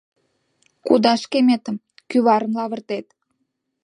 — Кудаш кеметым, кӱварым лавыртет.